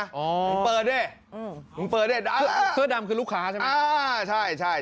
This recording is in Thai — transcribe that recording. คือดำก็คือลุคค้าใช่ไหม